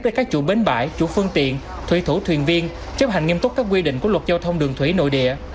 với các chủ bến bãi chủ phương tiện thủy thủ thuyền viên chấp hành nghiêm túc các quy định của luật giao thông đường thủy nội địa